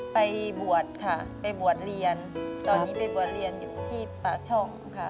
ไปบวชค่ะไปบวชเรียนตอนนี้ไปบวชเรียนอยู่ที่ปากช่องค่ะ